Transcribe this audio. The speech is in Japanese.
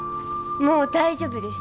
もう大丈夫です。